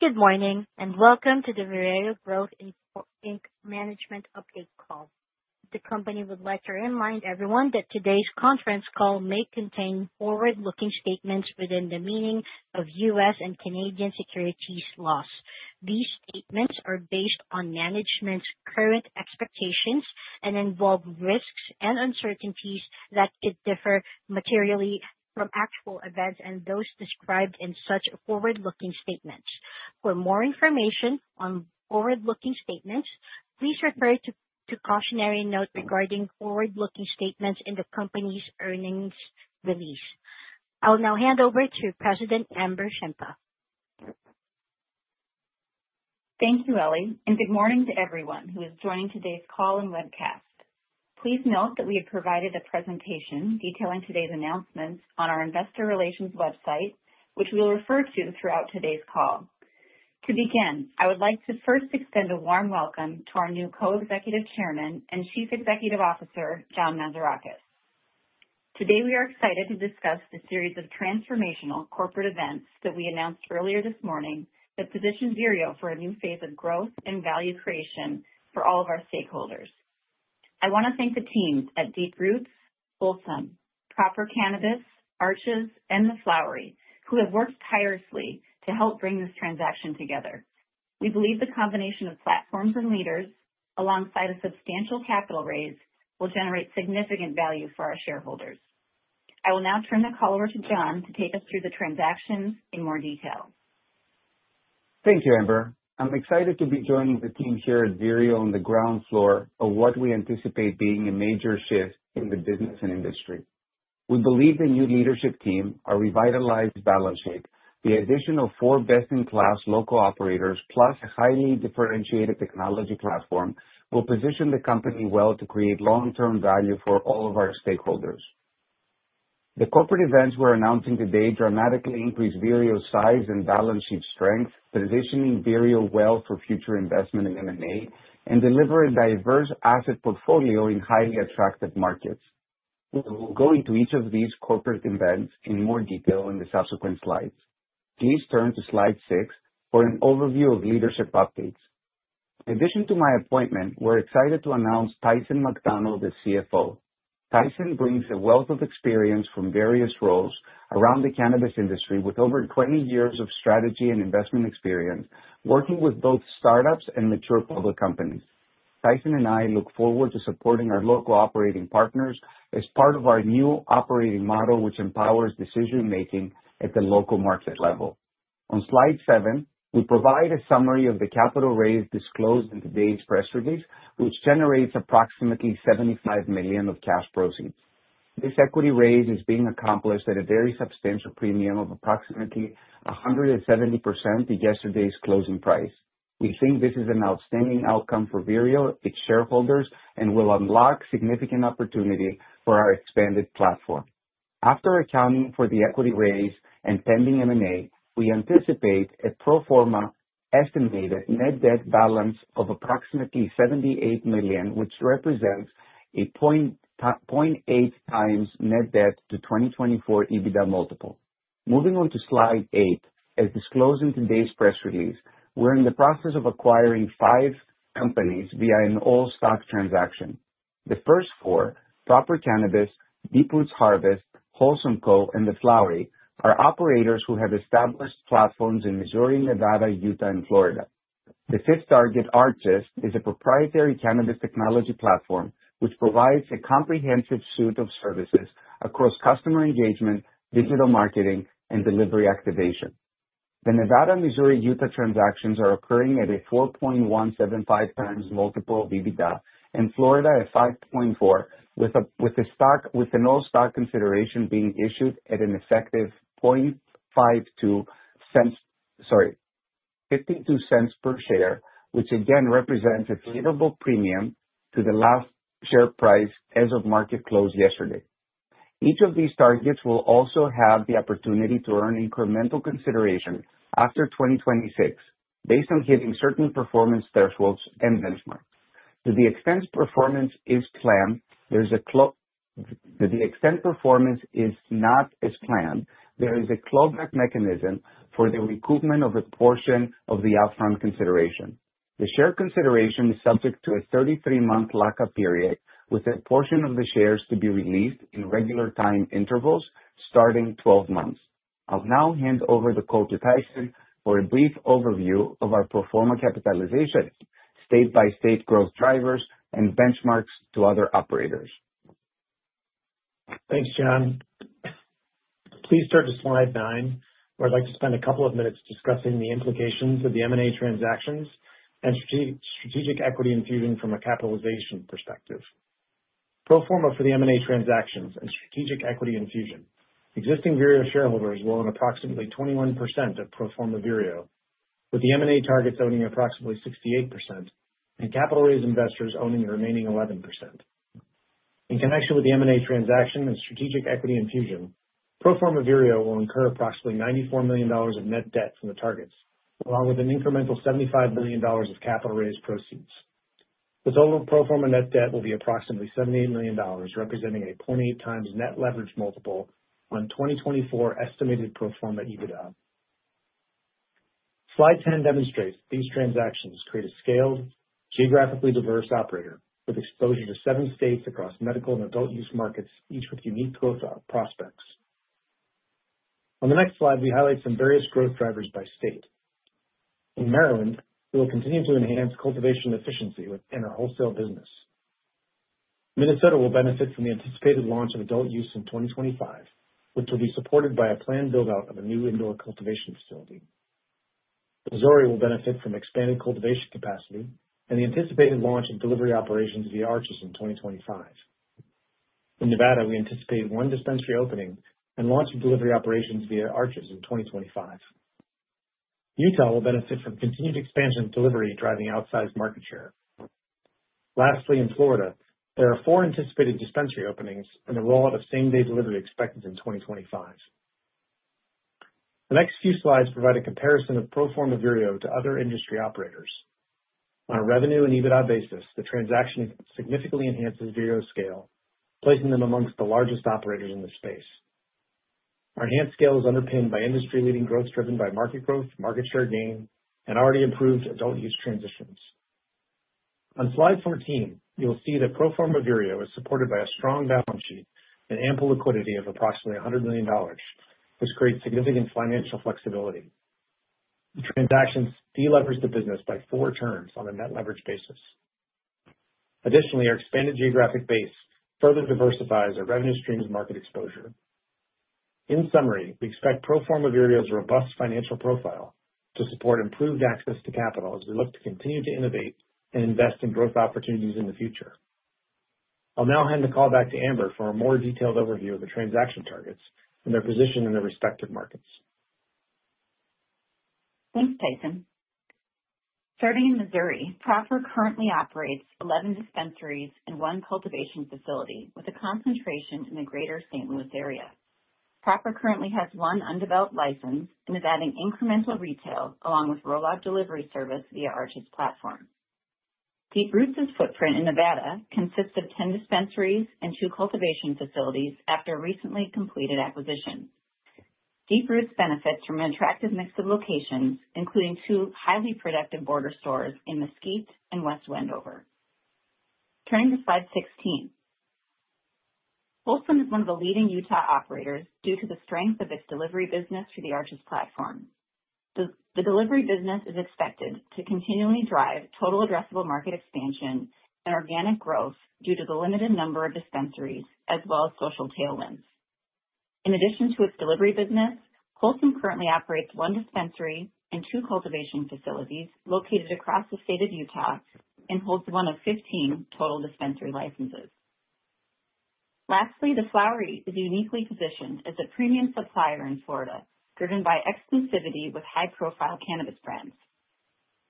Good morning and welcome to the Vireo Growth Inc. management update call. The company would like to remind everyone that today's conference call may contain forward-looking statements within the meaning of U.S. and Canadian securities laws. These statements are based on management's current expectations and involve risks and uncertainties that could differ materially from actual events and those described in such forward-looking statements. For more information on forward-looking statements, please refer to the cautionary note regarding forward-looking statements in the company's earnings release. I will now hand over to President Amber Shimpa. Thank you, Ellie, and good morning to everyone who is joining today's call and webcast. Please note that we have provided a presentation detailing today's announcements on our investor relations website, which we will refer to throughout today's call. To begin, I would like to first extend a warm welcome to our new Co-Executive Chairman and Chief Executive Officer, John Mazarakis. Today, we are excited to discuss the series of transformational corporate events that we announced earlier this morning that position Vireo for a new phase of growth and value creation for all of our stakeholders. I want to thank the teams at Deep Roots, Wholesome, Proper Cannabis, Arches, and The Flowery, who have worked tirelessly to help bring this transaction together. We believe the combination of platforms and leaders, alongside a substantial capital raise, will generate significant value for our shareholders. I will now turn the call over to John to take us through the transactions in more detail. Thank you, Amber. I'm excited to be joining the team here at Vireo on the ground floor of what we anticipate being a major shift in the business and industry. We believe the new leadership team, our revitalized balance sheet, the addition of four best-in-class local operators, plus a highly differentiated technology platform, will position the company well to create long-term value for all of our stakeholders. The corporate events we're announcing today dramatically increase Vireo's size and balance sheet strength, positioning Vireo well for future investment in M&A, and deliver a diverse asset portfolio in highly attractive markets. We will go into each of these corporate events in more detail in the subsequent slides. Please turn to slide six for an overview of leadership updates. In addition to my appointment, we're excited to announce Tyson Macdonald as CFO. Tyson brings a wealth of experience from various roles around the cannabis industry with over 20 years of strategy and investment experience working with both startups and mature public companies. Tyson and I look forward to supporting our local operating partners as part of our new operating model, which empowers decision-making at the local market level. On slide seven, we provide a summary of the capital raise disclosed in today's press release, which generates approximately $75 million of cash proceeds. This equity raise is being accomplished at a very substantial premium of approximately 170% of yesterday's closing price. We think this is an outstanding outcome for Vireo, its shareholders, and will unlock significant opportunity for our expanded platform. After accounting for the equity raise and pending M&A, we anticipate a pro forma estimated net debt balance of approximately $78 million, which represents a 0.8 times net debt to 2024 EBITDA multiple. Moving on to slide eight, as disclosed in today's press release, we're in the process of acquiring five companies via an all-stock transaction. The first four, Proper Cannabis, Deep Roots Harvest, WholesomeCo, and The Flowery, are operators who have established platforms in Missouri, Nevada, Utah, and Florida. The fifth target, Arches, is a proprietary cannabis technology platform, which provides a comprehensive suite of services across customer engagement, digital marketing, and delivery activation. The Nevada, Missouri, Utah transactions are occurring at a 4.175x multiple of EBITDA, and Florida at 5.4, with an all-stock consideration being issued at an effective $0.52 per share, which again represents a favorable premium to the last share price as of market close yesterday. Each of these targets will also have the opportunity to earn incremental consideration after 2026, based on hitting certain performance thresholds and benchmarks. To the extent performance is not as planned, there is a clawback mechanism for the recoupment of a portion of the upfront consideration. The share consideration is subject to a 33-month lockup period, with a portion of the shares to be released in regular time intervals starting 12 months. I'll now hand over the call to Tyson for a brief overview of our pro forma capitalization, state-by-state growth drivers, and benchmarks to other operators. Thanks, John. Please turn to slide nine. I'd like to spend a couple of minutes discussing the implications of the M&A transactions and strategic equity infusion from a capitalization perspective. Pro forma for the M&A transactions and strategic equity infusion. Existing Vireo shareholders will own approximately 21% of pro forma Vireo, with the M&A targets owning approximately 68% and capital raise investors owning the remaining 11%. In connection with the M&A transaction and strategic equity infusion, pro forma Vireo will incur approximately $94 million of net debt from the targets, along with an incremental $75 million of capital raise proceeds. The total pro forma net debt will be approximately $78 million, representing a 0.8x net leverage multiple on 2024 estimated pro forma EBITDA. Slide 10 demonstrates these transactions create a scaled, geographically diverse operator with exposure to seven states across medical and adult-use markets, each with unique growth prospects. On the next slide, we highlight some various growth drivers by state. In Maryland, we will continue to enhance cultivation efficiency in our wholesale business. Minnesota will benefit from the anticipated launch of adult-use in 2025, which will be supported by a planned build-out of a new indoor cultivation facility. Missouri will benefit from expanded cultivation capacity and the anticipated launch of delivery operations via Arches in 2025. In Nevada, we anticipate one dispensary opening and launch of delivery operations via Arches in 2025. Utah will benefit from continued expansion of delivery, driving outsized market share. Lastly, in Florida, there are four anticipated dispensary openings and a roll-out of same-day delivery expected in 2025. The next few slides provide a comparison of pro forma Vireo to other industry operators. On a revenue and EBITDA basis, the transaction significantly enhances Vireo's scale, placing them amongst the largest operators in the space. Our enhanced scale is underpinned by industry-leading growth driven by market growth, market share gain, and already improved adult use transitions. On slide 14, you'll see that pro forma Vireo is supported by a strong balance sheet and ample liquidity of approximately $100 million, which creates significant financial flexibility. The transactions delevers the business by four turns on a net leverage basis. Additionally, our expanded geographic base further diversifies our revenue streams market exposure. In summary, we expect pro forma Vireo's robust financial profile to support improved access to capital as we look to continue to innovate and invest in growth opportunities in the future. I'll now hand the call back to Amber for a more detailed overview of the transaction targets and their position in their respective markets. Thanks, Tyson. Starting in Missouri, Proper currently operates 11 dispensaries and one cultivation facility with a concentration in the greater St. Louis area. Proper currently has one undeveloped license and is adding incremental retail along with roll-out delivery service via Arches platform. Deep Roots's footprint in Nevada consists of 10 dispensaries and two cultivation facilities after a recently completed acquisition. Deep Roots benefits from an attractive mix of locations, including two highly productive border stores in Mesquite and West Wendover. Turning to slide 16, WholesomeCo is one of the leading Utah operators due to the strength of its delivery business through the Arches platform. The delivery business is expected to continually drive total addressable market expansion and organic growth due to the limited number of dispensaries as well as social tailwinds. In addition to its delivery business, WholesomeCo currently operates one dispensary and two cultivation facilities located across the state of Utah and holds one of 15 total dispensary licenses. Lastly, The Flowery is uniquely positioned as a premium supplier in Florida, driven by exclusivity with high-profile cannabis brands.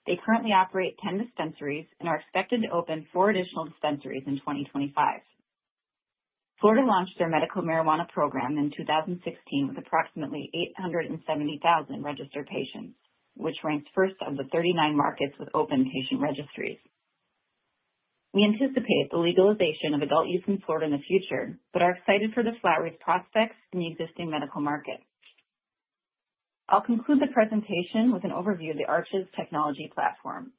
They currently operate 10 dispensaries and are expected to open four additional dispensaries in 2025. Florida launched their medical marijuana program in 2016 with approximately 870,000 registered patients, which ranks first of the 39 markets with open patient registries. We anticipate the legalization of adult-use in Florida in the future, but are excited for The Flowery's prospects in the existing medical market. I'll conclude the presentation with an overview of the Arches technology platform.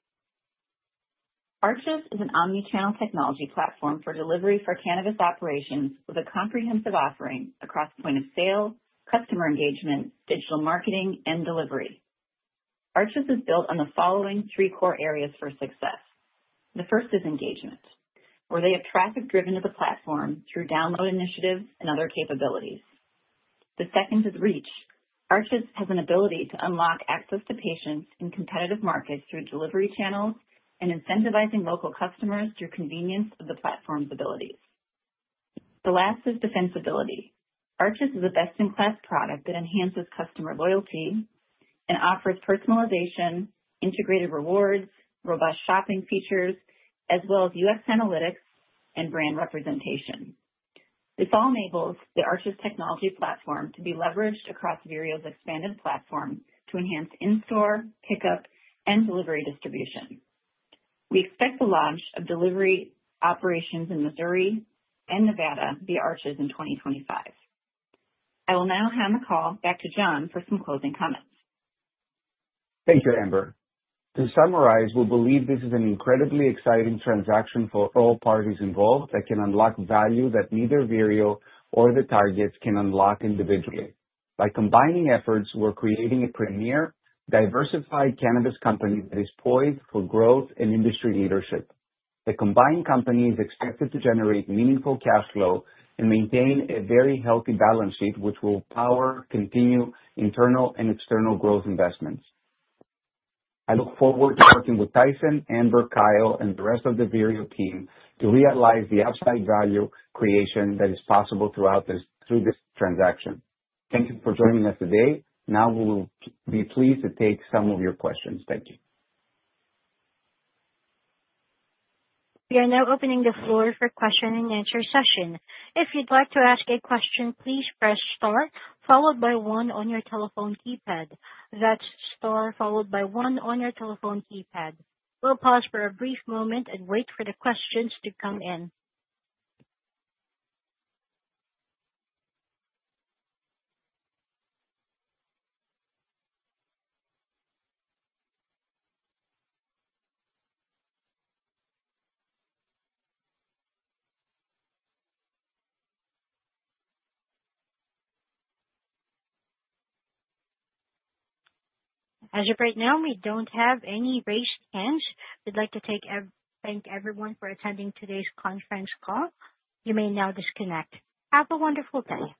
Arches is an omnichannel technology platform for delivery for cannabis operations with a comprehensive offering across point of sale, customer engagement, digital marketing, and delivery. Arches is built on the following three core areas for success. The first is engagement, where they have traffic driven to the platform through download initiatives and other capabilities. The second is reach. Arches has an ability to unlock access to patients in competitive markets through delivery channels and incentivizing local customers through convenience of the platform's abilities. The last is defensibility. Arches is a best-in-class product that enhances customer loyalty and offers personalization, integrated rewards, robust shopping features, as well as UX analytics and brand representation. This all enables the Arches technology platform to be leveraged across Vireo's expanded platform to enhance in-store, pickup, and delivery distribution. We expect the launch of delivery operations in Missouri and Nevada via Arches in 2025. I will now hand the call back to John for some closing comments. Thank you, Amber. To summarize, we believe this is an incredibly exciting transaction for all parties involved that can unlock value that neither Vireo nor the targets can unlock individually. By combining efforts, we're creating a premier, diversified cannabis company that is poised for growth and industry leadership. The combined company is expected to generate meaningful cash flow and maintain a very healthy balance sheet, which will power continued internal and external growth investments. I look forward to working with Tyson, Amber, Kyle, and the rest of the Vireo team to realize the upside value creation that is possible throughout this transaction. Thank you for joining us today. Now we will be pleased to take some of your questions. Thank you. We are now opening the floor for question-and-answer session. If you'd like to ask a question, please press star, followed by one on your telephone keypad. That's star, followed by one on your telephone keypad. We'll pause for a brief moment and wait for the questions to come in. As of right now, we don't have any raised hands. We'd like to thank everyone for attending today's conference call. You may now disconnect. Have a wonderful day.